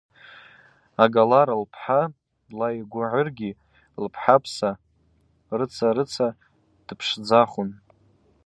Ага лара лпхӏа длайгвыгӏвыргьи лпхӏапса рыцӏа-рыцӏа дпшдзахун.